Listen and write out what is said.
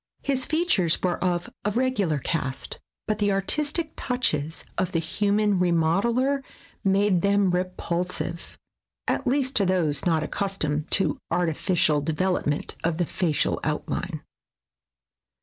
His features were of a regular cast, but the artistic touches of the human remodeler made them repul sive, at least to those not accustomed to artificial development of the facial outline.